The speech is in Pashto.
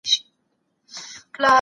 عبدالباري سوسن استاد مهدي خليق